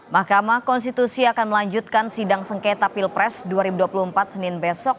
mahkamah konstitusi akan melanjutkan sidang sengketa pilpres dua ribu dua puluh empat senin besok